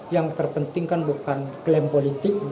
yang terpenting kan bukan klaim politik